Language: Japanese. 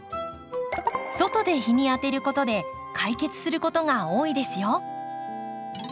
外で日に当てることで解決することが多いですよ。